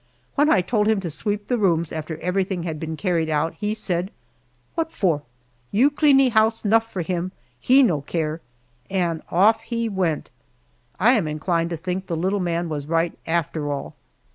When I told him to sweep the rooms after everything had been carried out, he said: "What for? You cleanee house nuff for him; he no care," and off he went. I am inclined to think that the little man was right, after all.